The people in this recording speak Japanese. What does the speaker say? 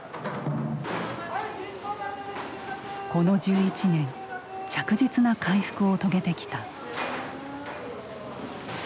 この１１年着実な回復を遂げてきた。